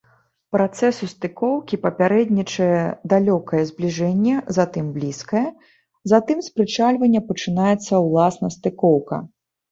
Працэсу стыкоўкі папярэднічае далёкае збліжэнне, затым блізкае, затым з прычальвання пачынаецца ўласна стыкоўка.